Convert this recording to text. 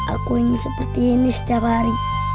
aku ingin seperti ini setiap hari